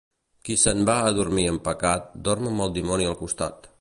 Qui se'n va a dormir amb pecat dorm amb el dimoni al costat.